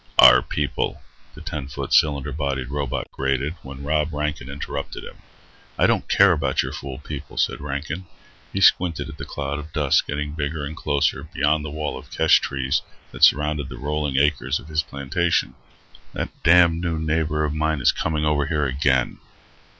"Our people " the ten foot, cylinder bodied robot grated, when Rod Rankin interrupted him. "I don't care about your fool people," said Rankin. He squinted at the cloud of dust getting bigger and closer beyond the wall of kesh trees that surrounded the rolling acres of his plantation. "That damned new neighbor of mine is coming over here again."